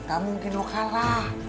tak mungkin lu kalah